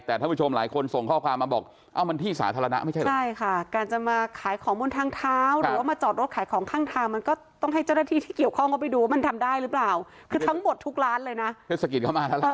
แต่ทหัสผู้ชมหลายคนส่งข้อเคลามาบอกเอ้ามันที่สาธารณะไม่ใช่เลย